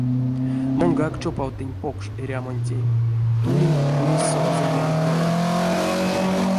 Монгак чопавтинь покш эрямонтень, туинь уезь сонзэ янтнэва.